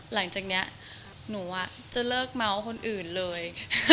หลังจากนี้หนูจะเลิกเมาส์คนอื่นเลย